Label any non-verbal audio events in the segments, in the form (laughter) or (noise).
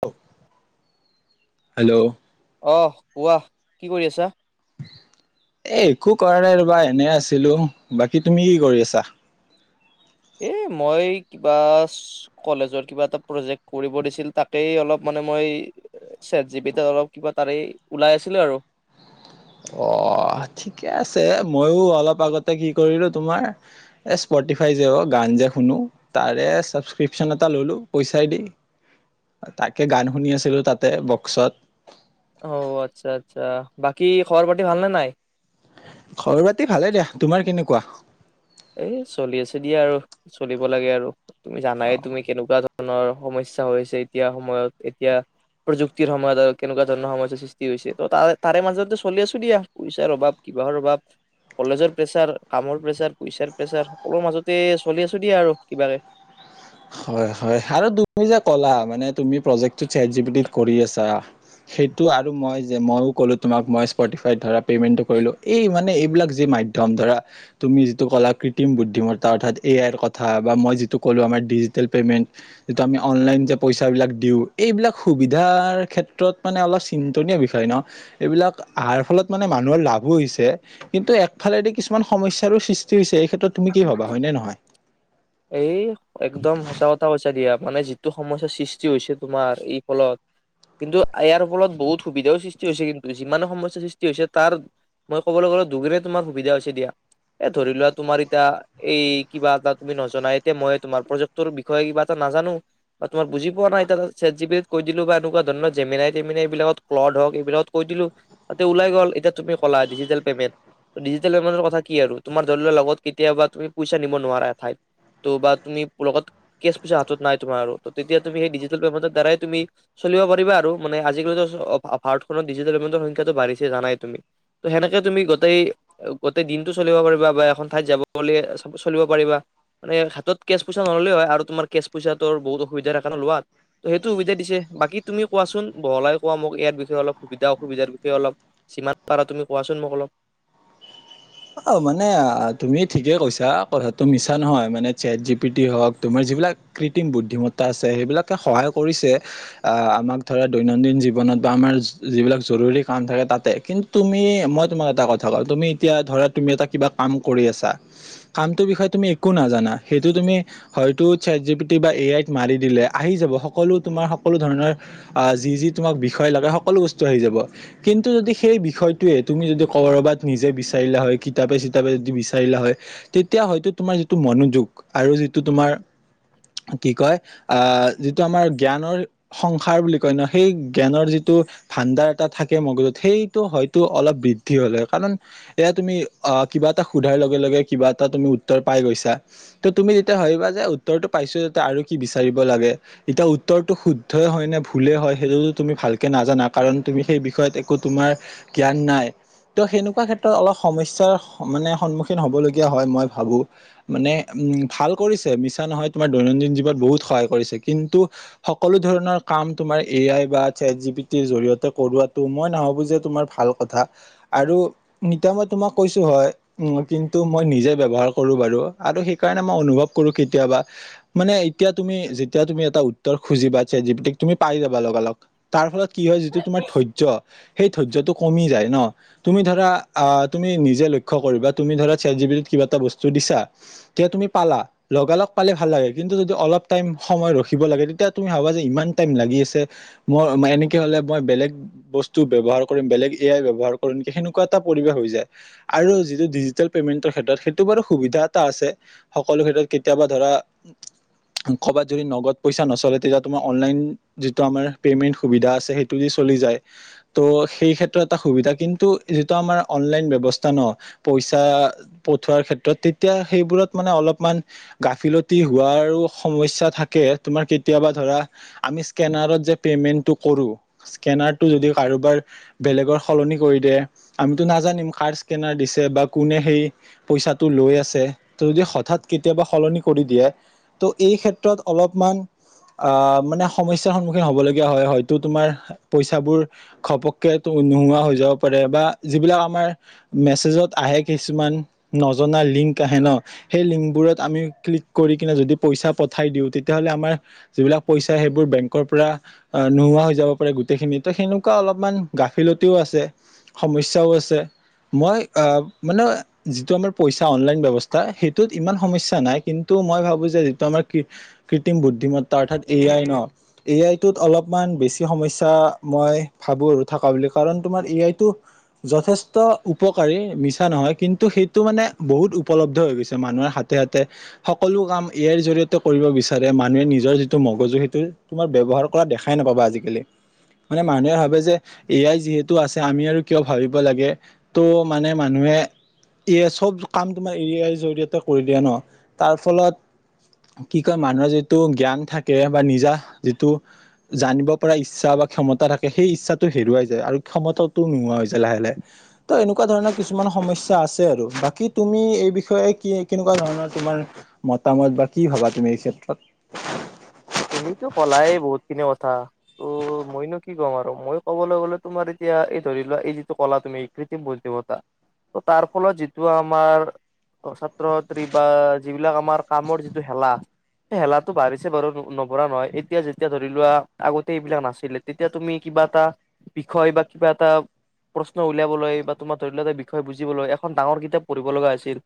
হ হেল্ল' অ কোৱা কি কৰি আছা। এ একো কৰা নাই ৰবা এনে আছিলো বাকী তুমি কি কৰি আছা? এ মই কিবা কলেজৰ কিবা এটা প্ৰজেক্ট কৰিব দিছিল তাকেই অলপ মানে মই চছেট জি বি ত অলপ কিবা তাৰে ওলাই আছিলো আৰু অ ঠিকে আছে ময়ো অলপ আগতে কি কৰিলো তোমাৰ স্পটিফাই যে গান যে শুনো তাৰে ছাবস্ক্ৰিপ্যন এটা ললো পইচাই দি তাকে গান শুনি আছিলো তাতে বক্সত। অ আচ্ছা আচ্ছা বাকী খবৰ পাতি ভালনে নাই। খবৰ বাতি ভালে দিয়া তোমাৰ কেনেকুৱা। এ চলি আছে দিয়া আৰু চলিব লাগে আৰু তুমি জানাই তুমি কেনেকুৱা ধ ধৰৰ সমস্যা হৈ আছে এতিয়া সময়ত এতিয়া প্ৰযুক্তিৰ সময়ত আৰু কেনেকুৱা ধৰণৰ সমস্যাৰ সৃষ্টি হৈছে ত তাৰে তাৰে মাজতে চলি আছো দিয়া পইচাৰ অভাৱ কিবাহৰ অভাৱ কলেজৰ প্ৰেচাৰ কামৰ প্ৰেচাৰ পইচাৰ প্ৰেচাৰ সকলোৰে মাজতে চলি আছো দিয়া আৰু কিবাকে। হয় হয় আৰু তুমি যে ক'লা মানে, তুমি প্ৰজেক্ট চেনচিটিভ কৰি আছা সেইটো আৰু মই যে মইো ক'লো তোমাক মই স্পিফাই ধ পেমেন্টো কৰিলো। এই মানে এইবিলাক যি মাধ্যম, ধৰা তুমি যিটো ক'লা কৃত্ৰিম বুদ্ধিমত্তা অৰ্থাৎ এ আইৰ কথা বা মই যিটো কলো আমাৰ টোটেল পেমেণ্ট যিটো আমি অনলাইন যে পইচাবিলাক দিওঁ এইবিলাক সুবিধাৰ ক্ষেত্ৰত মানে অলপ চিন্তনীয় বিষয় ন এইবিলাক অহাৰ ফলত মানে মানুহৰ লাভো হৈছে কিন্তু একফালেদি কিছুমান সমস্যাৰো সৃষ্টি হৈছে। ক্ষেত্ৰত তুমি কি ভবা হয়নে নহয়। এই একদম সঁচা কথা কৈছা দিয়া। মানে যিটো সমসা সৃষ্টি হৈছে তোমাৰ এই ফলত কিন্তু ইয়াৰ ফলত বহুত সুবিধাও সৃষ্টি হৈছে। কিন্তু যিমান সমস্যাৰ সৃষ্টি হৈছে তাৰ মই কবলৈ গ'লে, দুগুনে তোমাৰ সুবিধা হৈছে দিয়া। এ ধৰি লোৱা তোমাৰ এতিয়া এই কিবা এটা তুমি নজনা এতিয়া মই তোমাৰ প্ৰজেক্টৰ বিষয়ে কিবা এটা নাজানো বা তোমাৰ বুজি পোৱা নাই। এতিয়া ছেট জি পিতিত কৈ দিলো বা এনেকুৱা ধৰণৰ জেমেনাই তেমেনাই এইবিলাক ক্লড হওঁক এইবিলাক কৈ দিলো তা ওলাই গ'ল। এতিয়া তুমি কলা ডিজিটেল পেমেণ্ট ডিজিটেল পেমেণ্টৰ কথা কি আৰু তোমাৰ ধৰি লোৱা লগত কেতিয়াবা তুমি পইচা নিব নোৱাৰা, এঠাইত ত বা তুমি লগত কেচ পইচা হাতত নাই। তোমাৰ তেতিয়া তুমি সেই ডিজিটেল পেমেন্টৰ দ্বাৰাই তুমি চলিব পাৰিবা আৰু মানে আজি- কালি ভাৰতখনত ডিজিটেল পেমেণ্টৰ সংখাটো বাঢ়িছে জানাই তুমি সেনেকে তুমি গোটেই দিনটো চলিব পাৰিবা বা এখন এঠাইত যাব বুলি চলিব পাৰিবা মানে হাতত কেচ পইচা নল'লে হয় আৰু তোমাৰ কেচ পইচাটোৰ বহুত অসুবিধা সেইকাৰণে লোৱা সেইটো সুবিধা দিছে বাকী তুমি কোৱাচোন বহলাই কোৱা মোক ইয়াৰ বিষয়ে অলপ সুবিধা, অসুবিধাৰ বিষয়ে, অলপ যিমান পাৰা তুমি কোৱাচোন মোক অলপ? অ, মানে তুমি ঠিকেই কৈছা কথাটো মিছা নহয়। মানে চেট জি পি টি হওঁক তোমাৰ যিবিলাক কৃত্ৰিম বুদ্ধিমত্তা আছে সেইবিলাকে সহায় কৰিছে। আহ আমাক ধৰা দৈনন্দিন জীৱনত বা আমাৰ যিবিলাক জৰুৰী কাম থাকে তাতে কিন্তু তুমি মই তোমাক এটা কথা কওঁ তুমি এতিয়া ধৰা তুমি এটা কিবা কাম কৰি আছা কামটোৰ বিষয়ে তুমি একো নাজানা সেইটো তুমি হয়তো চেট জি পিটি বা এ আইত মাৰি দিলে আহি যাব। সকলো তোমাৰ সকলো ধৰণৰ যি যি তোমাক বিষয় লাগে। সকলো বস্তু আহি যাব কিন্তু যদি সেই বিষয়টোৱে তুমি যদি কৰবাত নিজে বিচাৰিলা হয়। কিতাপে চিতাপে যদি বিচাৰিলা হয়। তেতিয়া হয়তো তোমাৰ যিটো মনোযোগ আৰু যিটো তোমাৰ কি কয়? আ'হ যিটো আমাৰ জ্ঞানৰ সংসাৰ বুলি কয় ন সেই জ্ঞানৰ যিটো ভাণ্ডাৰ এটা থাকে, মগজুত সেইটো হয়তো অলপ বৃদ্ধি হলে কাৰণ এয়া তুমি অ, কিবা এটা সোধাৰ লগে লগে কিবা এটা তুমি উত্তৰ পাই গৈছা। ত তুমি যেতিয়া হবা যে উত্তৰটো পাইছো য আৰু কি বিচাৰিব লাগে এতিয়া উত্তৰটো শুদ্ধই হয় নে ভুলে হয় সেইটোতো তুমি ভালকে নাজানা কাৰণ তুমি সেই বিষয়ত একো তোমাৰ জ্ঞান নাই ত সেনেকুৱা ক্ষেত্ৰত অলপ সমস্যা চা মানে সন্মুখীন হ'বলগীয়া হয়, মই ভাবো মানে উ'ম ভাল কৰিছে মিছা নহয়। তোমাৰ দৈনন্দিন জীৱনত বহুত সহায় কৰিছে কিন্তু সকলো ধৰণৰ কাম তোমাৰ এ আই বা চেট জি বি টিৰ জৰিয়তে কৰোৱটো মই নাভাবো যে তোমাৰ ভাল কথা আৰু নিতা মই তোমাক কৈছো হয়, কিন্তু মই নিজে ব্যৱহাৰ কৰো বাৰু আৰু সেইকাৰণে মই অনুভৱ কৰো কেতিয়াবা মানে এতিয়া তুমি যেতিয়া তুমি এটা উত্তৰ খুজিবা তুমি পাই যাবা লগালগ তাৰ ফলত কি হয় যিটো তোমাৰ ধৈৰ্য্য সেই ধৈয্যটো যায় ন তুমি ধৰা আ'হ তুমি নিজে লক্ষ্য কৰিবা, তুমি ধৰা চেট জি পিটিট তত কিবা এটা বস্তু দিছা তেতিয়া তুমি পালা লগালগ পালে ভাল লাগে। কিন্তু যদি অলপ টাইম সময় ৰখিব লাগে তেতিয়া তুমি ভাবা যে ইমান টাইম লাগি আছে মই এনেকে হলে মই বেলেগ বস্তু ব ব্যৱহাৰ কৰিম বেলেগ এ আই ব্যৱহাৰ কৰিম নেকি সেনেকুৱা এটা পৰিৱেশ হৈ যায়। আৰু যিটো ডিজিটেল পেমেণ্ট ক্ষেত্ৰত সেইটো বাৰু সুবিধা এটা আছে। সকলো ক্ষেত্ৰত কেতিয়াবা ধৰা কৰবাত যদি নগদ পইচা নচলে, তেতিয়া তোমাৰ অনলাইন যিটো আমাৰ পেমেণ্ট সুবিধা আছে। সেইটো দি চলি যায় ত সেই ক্ষেত্ৰত এটা সুবিধা কিন্তু যিটো আমাৰ অনলাইন বস্তা ন পইচা পথোৱাৰ ক্ষেত্ৰত তেতিয়া সেইবোৰত মানে অলপমান গাফিলতি হোৱাৰো সমস্যা থাকে। তোমাৰ কেতিয়াবা ধৰা আমি স্কেনাৰত যে পেমেন্টটো কৰো স্কেনাৰটো যদি কাৰোবাৰ বেলেগৰ সলনি কৰি দে আমিতো নাজানিম। স্কেনাৰ দিছে বা কোনে সেই পইচাটো লৈ আছে। তো যদি হঠাৎ কেতিয়াবা সলনি কৰি দিয়ে তো এই ক্ষেত্ৰত অলপমান মানে সমস্যাৰ সন্মুখীন হ'বলগীয়া হয় হয়তো তোমাৰ পইচাবোৰ ঘপককৈ নোহোৱা হৈ যাব পাৰে বা যিবিলাক আমাৰ মেছেজত আহে কিছুমান নজনা লিংক আহে ন, সেই লিংকবোৰত আমি ক্লিক কৰি কিনে যদি পইচা পঠাই দিওঁ, তেতিয়াহ'লে আমাৰ যিবিলাক পইচা সেইবোৰ বেংকৰ পৰা নোহোৱা হৈ যাব পাৰে গোটেইখিনি ত' সেনেকুৱা অলপমান গাফিলতিও আছে সমস্যাও আছে। মই অ' মানে, যিটো আমাৰ পইচা অনলাইন ব্যৱস্থা সেইটোত ইমান সমস্যা নাই কিন্তু মই ভাবো যে যিটো আমাৰ কৃত্ৰিম বুদ্ধিমত্তা অৰ্থাৎ এ আই ন, এ আইটোত অলপমান বেছি সমস্যা মই ভাবোঁ আৰু থকা বুলি কাৰণ তোমাৰ এ আইটো যথেষ্ট ষ্ট উপকাৰী, মিছা নহয়। কিন্তু সেইটো মানে বহুত উপলব্ধ হৈ গৈছে, মানুহৰ হাতে-হাতে সকলো কাম এ আইৰ জৰি়য়তে কৰিব বিচাৰে। মানুহে নিজৰ যিটো মগজু সেইটো তোমাৰ ব ব্যৱহাৰ কৰা দেখাই নাপাবা আজিকালি। মানে মানুহে ভাবে যে এ আই যিহেতু আছে আমি আৰু কিয় ভাবিব লাগে। ত' মানে মানুহে এ আই চব কাম তোমাৰ এ আই জৰিয়তে কৰি দিয়ে ন', তাৰ ফলত কি কয় মানুহৰ যিটো জ্ঞান থাকে বা নিজা যিটো জানিব পৰা ইচ্ছা বা ক্ষমতা থাকেসেই ইচ্ছাটো হেৰুৱাই যায়, আৰু ক্ষমতাটো নোহোৱা হৈ যায় লাহে লাহে। ত' এনেকুৱা ধৰণৰ কিছুমান সমস্যা আছে আৰু। বাকী তুমি এই বিষয়ে কি কেনেকুৱা ধৰণৰ তোমাৰ মতামত বা কি ভাবা তুমি এই ক্ষেত্ৰত? তুমিতো কলাই বহুতখিনি কথা ত' মইনো কি ক'ম আৰু, মই কবলৈ গলে তোমাৰ এতিয়া এই ধৰি লোৱা এই যিটো কলা তুমি কৃত্ৰিম বুদ্ধিমত্তা ত' তাৰ ফলত যিটো আমাৰ ছাত্ৰ-ছাত্ৰী বা যিবিলাক আমাৰ কামৰ যিটো হেলা সেই হেলাটো বাঢ়িছে বাৰু। নপঢ়া নহয়, এতিয়া যেতিয়া ধৰি লোৱা আগতে এইবিলাক নাছিলে। তেতিয়া তুমি কিবা এটা বিষয় বা কিবা এটা প্ৰশ্ন উলিয়াবলৈ বা তোমাৰ ধৰি লোৱা এটা বিষয় বুজিবলৈ এখন ডাঙৰ কিতাপ পঢ়িব লগা হৈছিল,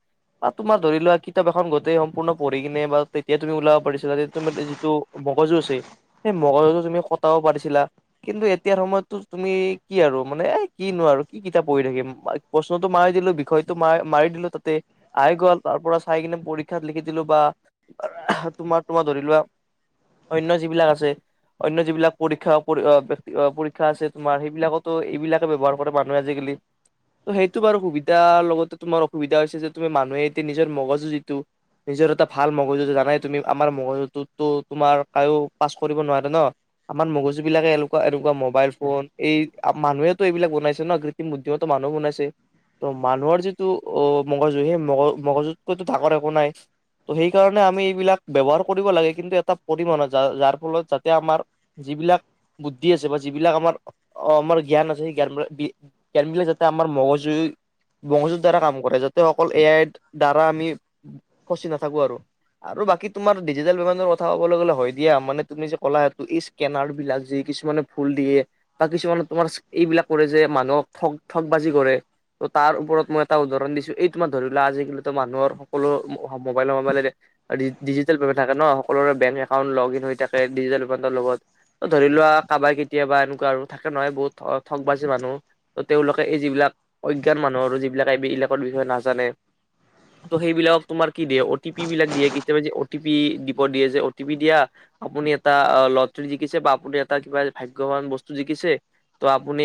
বা তোমাৰ ধৰি লোৱা কিতাপ এখন গোটেই সম্পূৰ্ণ পঢ়ি কিনে বা তেতিয়া তুমি ওলাব পাৰিছিলা যে তুমি (unintelligible) ত' মগজু আছে, সেই মগজুটো তুমি খতাব পাৰিছিলা। কিন্তু এতিয়াৰ সময়তটো তুমি কি আৰু মানে, এ কিনো আৰু কি কিতাপ পঢ়ি থাকিম প্ৰশ্নটো মাৰি দিলোঁ বিষয়টো মা-মাৰি দিলোঁ তাতে আহি গ'ল। তাৰ পৰা চাই কিনে পৰীক্ষাত লিখি দিলোঁ বা তোমাক তোমাৰ ধৰি লোৱা অন্য যিবিলাক আছে অন্য যিবিলাক পৰীক্ষা পৰি অম পৰীক্ষা আছে, তোমাৰ সেইবিলাকতো এইবিলাকে ব্যৱহাৰ কৰে মানুহে আজিকালি। ত' সেইটো বাৰু সুবিধাৰ লগতে তোমাৰ অসুবিধা হৈছে যে তুমি মানুহে এতিয়া নিজৰ মগজু যিটো নিজৰ এটা ভাল মগজু জানাই তুমি, আমাৰ মগজুটোতো তোমাৰ কায়ো পাছ কৰিব নোৱাৰে ন, আমাৰ মগজুবিলাকে এনেকুৱা এনেকুৱা মোবাইল-ফোন এই মানুহেতো এইবিলাক বনাইছে ন। কৃত্ৰিম বুদ্ধিমত্তাই মানুহ বনাইছে। ত' মানুহৰ যিটো অম মগজু সেই মগ-মগজুতকৈ ডাঙৰ একো নাই। ত' সেইকাৰণে আমি এইবিলাক ব্যৱহাৰ কৰিব লাগে। কিন্তু এটা (unintelligible) যাৰ যাৰ ফলত যাতে আমাৰ যিবিলাক বুদ্ধি আছে, বা যিবিলাক আমাৰ আমাৰ জ্ঞান আছে, সেই জ্ঞান বি জ্ঞান বিলাক যাতে আমাৰ মগজু-মগজুৰ দ্বাৰা কাম কৰে। যাতে অকল এ আইৰ দ্বাৰা আমি ফচি নাথাকোঁ আৰু। আৰু বাকী তোমাৰ ডিজিটেল মোবাইলৰ কথা কথা ক'ব গ'লে হয় দিয়া, মানে তুমি যে ক'লা- এইটো স্কেনাৰ বিলাক যি কিছুমানে ভুল দিয়ে বা কিছুমানে তোমাৰ এইবিলাক কৰে যে মানুহক ঠগ-ঠগবাজি কৰে। ত' তাৰ ওপৰত মই এটা উদাহৰণ দিছো, এই তোমাৰ ধৰি লোৱা, আজিকালিতো মানুহৰ সকলো মোবাইলে মোবাইলে ডিজিটেল ভাবে থাকে ন। সকলোৰে বেংক একাউন্ট লগইন হৈ থাকে, ডিজিটেল উপান্তৰ লগত। ত' ধৰি লোৱা কাবাৰ-কেতিয়াবা এনেকুৱা আৰু থাকে নহয় বহুত অ' ঠগবাজি মানুহ। ত' তেওঁলোকে এই যিবিলাক অজ্ঞান মানুহ আৰু যিবিলাক এবি-এইবিলাকৰ বিষয়ে নাজানে। ত' সেইবিলাকক তোমাৰ কি দিয়ে? অ' টি পি বিলাক দিয়ে। কেতিয়াবা যে অ টি পি দিয়ে যে অ টি পি দিয়া আপুনি এটা লটাৰি জিকিছে বা আপুনি এটা কিবা ভাগ্যৱান বস্তু জিকিছে, ত' আপুনি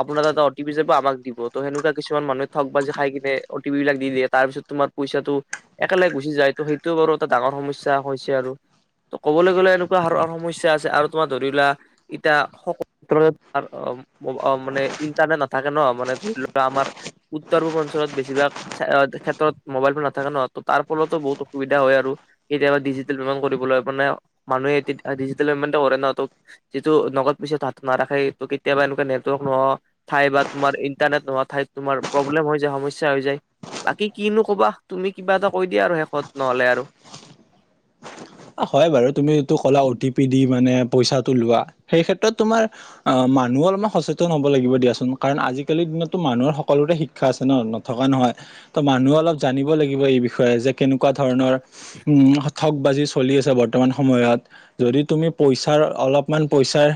আপোনাৰ তাত অ'টি পি যাব আমাক দিব। ত' সেনেকুৱা কিছুমান মানুহে ঠগবাজি খাই কিনে অটি পি বিলাক দি দিয়ে। তাৰ পিছত তোমাৰ পইচাটো একেলগে গুচি যায়। ত' সেইটোও বাৰু এটা ডাঙৰ সমস্যা হৈছ। হৈছে আৰু, ক'বলৈ গলে এনেকুৱা আৰ সমস্যা আছে আৰু তোমাৰ ধৰি লোৱা, এতিয়া সকলো (unintelligible) আ মানে ইন্টাৰনেট নাথাকে ন। মানে ধৰি লোৱা আমাৰ উত্তৰ-পূৰ্বাঞ্চলত বেছিভাগ চাই ক্ষেত্ৰত মোবাইল ফোন নাথাকে ন। ত' তাৰ ফলতো বহুত অসুবিধা হয় আৰু কেতিয়াবা ডিজি (unintelligible) মানুহে এতি ডিজিটেল পেমেণ্টে কৰে ন। ত' যিটো নগদ পইচা, তাহাঁত নাৰাখে। ত' কেতিয়াবা এনেকুৱা নেটৱৰ্ক নোহোৱা ঠাই বা তোমাৰ ইন্টাৰনেট নোহোৱা ঠাইত তোমাৰ প্ৰব্লেম হৈ যায়, সমস্যা স্যা হৈ যায়। বাকী কিনো কবা, তুমি? কিবা এটা কৈ দিয়া আৰু শেষত, নহ'লে আৰু। হয় বাৰু। তুমি এইটো ক'লা অ টি পি দি মানে পইচাটো লোৱা। সেই ক্ষেত্ৰত তোমাৰ আ মানুহো অলপমান সচেতন হব লাগিব দিয়াচোন। কাৰণ, আজিকালিৰ দিনতটো মানুহৰ সকলোতে শিক্ষা আছে ন, নথকা নহয়। ত' মানুহে অলপ জানিব লাগিব এই বিষয়ে যে কেনেকুৱা ধৰণৰ উম, ঠগ বাজি চলি আছে বৰ্তমান সময়ত, যদি তুমি পইচাৰ অলপমান পইচাৰ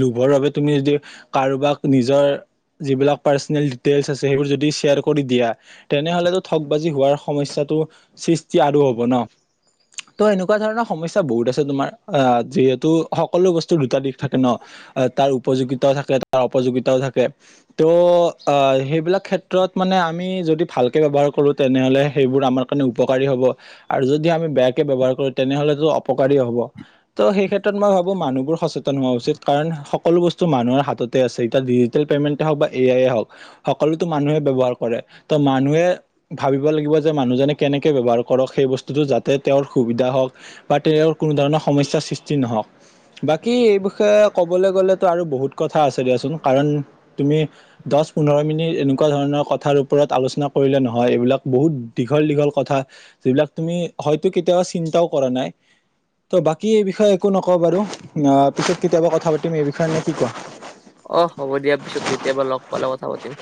লোভৰ বাবে তুমি যদি কাৰোবাক নিজৰ, যিবিলাক পাৰ্চনেল ডিটেইলছ আছে, সেইবোৰ যদি শ্বেয়াৰ কৰি দিয়া, তেনেহ'লেটো ঠগ বাজি হোৱাৰ সমস্যাটো সৃষ্টি আৰু হ'ব ন? ত', এনেকুৱা ধৰণৰ সমস্যা বহুত আছে তোমাৰ। আ যিহেতু সকলো বস্তুৰ দুটা দিশ থাকে ন, তাৰ উপযোগিতাও থাকে, তাৰ অপযোগিতাও থাকে। ত', আ, সেইবিলাক ক্ষেত্ৰত মানে আমি যদি ভালকে ব্যৱহাৰ কৰোঁ, তেনেহ'লে সেইবোৰ আমাৰ কাৰণে উপকাৰী হ'ব, আৰু যদি আমি বেয়া কৈ ব্যৱহাৰ কৰোঁ, তেনেহলেতো অপকাৰী হ'ব। ত' সেই ক্ষেত্ৰত মই ভাবো মানুহবোৰ সচেতন হোৱা উচিত, কাৰণ সকলো বস্তু মানুহৰ হাততে আছে। এতিয়া ডিজিটেল পেমেন্টে হওক বা এ আইয়ে হওক, সকলোতো মানুহে ব্ৱহাৰ কৰে। ত' মানুহে ভাবিব লাগিব যে, মানুহজনে কেনেকে ব্যৱহাৰ কৰক সেই বস্তুটো যাতে তেওঁৰ সুবিধা হওক বা তেওঁৰ কোনো ধৰণৰ সমস্যাৰ সৃষ্টি নহওক। বাকী এই বিষয়ে ক'বলৈ গ'লেতো আৰু বহুত কথা আছে দিয়াচোন। কাৰণ, তুমি দছ পোন্ধৰ মিনিট এনেকুৱা ধৰণৰ কথাৰ ওপৰত আলোচনা কৰিলে নহয়। এইবিলাক বহুত দীঘল দীঘল কথা, যিবিলাক তুমি হয়ত কেতিয়াবা চিন্তাও কৰা নাই। ত' বাকী এই বিষয়ে একো নকও বাৰু। অ, ' পিছত কেতিয়াবা কথা পাতিম এই বিষয়েে নে কি কোৱা অ, ' হ'ব দিয়া পিছত কেতিয়াবা লগ পালে কথা পাতিম।